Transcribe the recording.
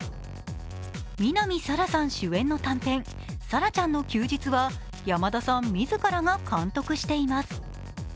南沙良さん主演の短編「沙良ちゃんの休日」は山田さん自らが監督しています。